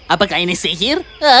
apakah ini sihir